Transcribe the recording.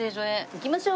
行きましょう。